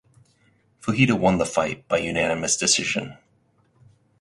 Fujita won the fight by unanimous decision.